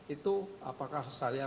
itu apakah saya